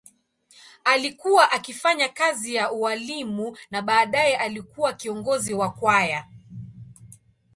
Alikuwa akifanya kazi ya ualimu na baadaye alikuwa kiongozi wa kwaya.